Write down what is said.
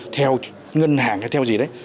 theo ngân hàng hay theo gì đấy